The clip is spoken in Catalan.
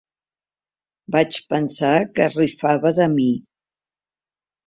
Vaig pensar que es rifava de mi.